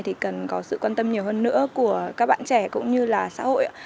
thì cần có sự quan tâm nhiều hơn nữa của các bạn trẻ cũng như là xã hội